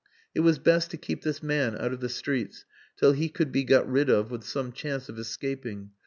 It was best to keep this man out of the streets till he could be got rid of with some chance of escaping.